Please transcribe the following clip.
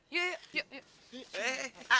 yuk yuk yuk